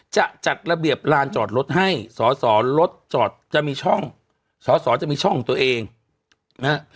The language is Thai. จะจัดระเบียบลานจอดรถให้สอสอรถจอดจะมีช่องสอสอจะมีช่องของตัวเองนะฮะ